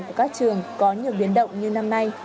các trường có nhiều biến động như năm nay